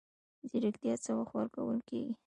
خبرتیا څه وخت ورکول کیږي؟